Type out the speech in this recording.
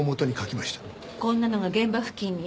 こんなのが現場付近に。